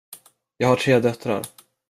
Jag har tre döttrar.